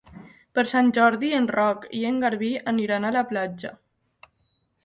Per Sant Jordi en Roc i en Garbí aniran a la platja.